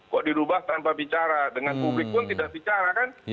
kok dirubah tanpa bicara dengan publik pun tidak bicara kan